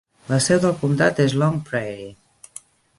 La seu del comtat és Long Prairie.